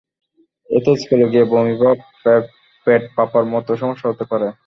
এতে স্কুলে গিয়ে বমি ভাব, পেট ফাঁপার মতো সমস্যা হতে পারে।